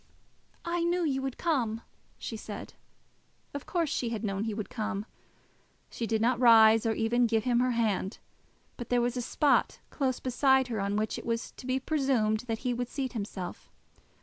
"I knew you would come," she said. Of course she had known that he would come. She did not rise, or even give him her hand, but there was a spot close beside her on which it was to be presumed that he would seat himself.